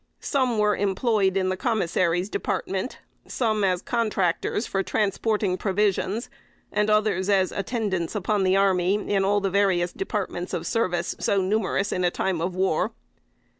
Some were employed in the Commissary's Department; some as contractors for transporting provisions; and others as attendants upon the army in all the various departments of service, so numerous in a time of war.